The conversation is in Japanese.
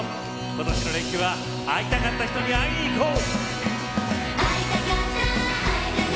今年の連休は会いたかった人に会いに行こう！